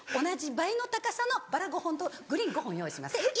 同じ倍の高さのバラ５本とグリーン５本用意します。